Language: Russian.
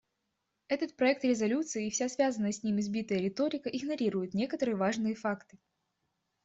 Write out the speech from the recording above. Этот проект резолюции и вся связанная с ним избитая риторика игнорируют некоторые важные факты.